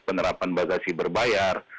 penerapan bagasi berbayar